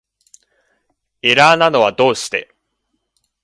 エラーなのはどうして